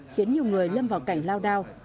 khiến nhiều người lâm vào cảnh lao đao